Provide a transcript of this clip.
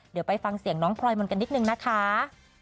เดี๋ยวไปฟังเสียงน้องพลอยมนต์กันนิดนึงนะคะ